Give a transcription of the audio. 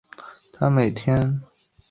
她每天带小女儿走路上学